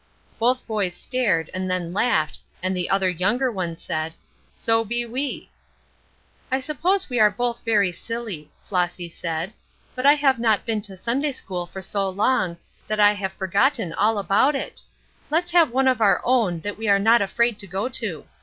Both boys stared, and then laughed, and the other younger one said: "So be we." "I suppose we are both very silly," Flossy said. "But I have not been to Sunday school for so long that I have forgotten all about it. Let's have one of our own that we are not afraid to go to."